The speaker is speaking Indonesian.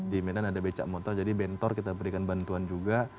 di medan ada becak motor jadi bentor kita berikan bantuan juga